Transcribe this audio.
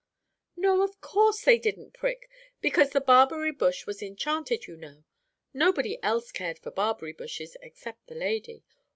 "No, of course they didn't prick, because the barberry bush was enchanted, you know. Nobody else cared for barberry bushes except the lady.